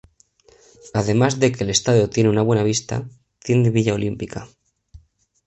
Además de que el estadio tiene una buena vista, tiene villa olímpica.